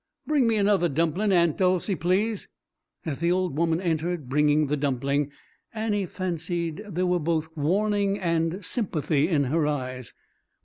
Bring me another dumplin', Aunt Dolcey, please." As the old woman entered, bringing the dumpling, Annie fancied there were both warning and sympathy in her eyes.